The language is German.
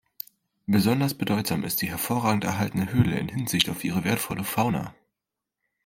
Besonders bedeutsam ist die hervorragend erhaltene Höhle in Hinsicht auf ihre wertvolle Fauna.